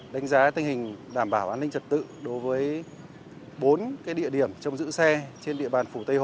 đánh giá tình hình đảm bảo an ninh trật tự đối với bốn địa điểm trong giữ xe trên địa bàn phủ tây hồ